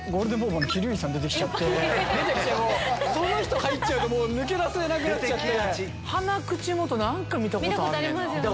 （地その人入っちゃうと抜け出せなくなっちゃって。